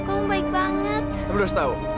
kamu baik banget